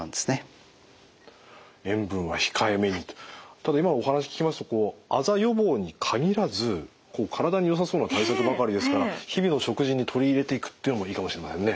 ただ今お話聞きますとあざ予防に限らず体によさそうな対策ばかりですから日々の食事に取り入れていくっていうのもいいかもしれませんね。